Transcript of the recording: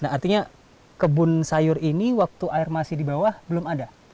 nah artinya kebun sayur ini waktu air masih di bawah belum ada